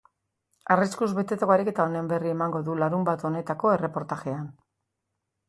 Arriskuz betetako ariketa honen berri emango du larunbat honetako erreportajean.